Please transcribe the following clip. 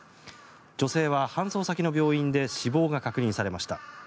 女性は搬送先の病院で死亡が確認されました。